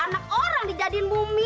anak orang dijadiin bumi